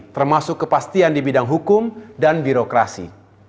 termasuk kepastian di bidang hukum dan birokrasi